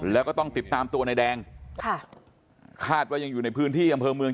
แล้วก็ต้องติดตามตัวนายแดงค่ะคาดว่ายังอยู่ในพื้นที่อำเภอเมือง